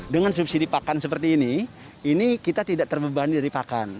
dengan subsidi pakan seperti ini ini kita tidak terbebani dari pakan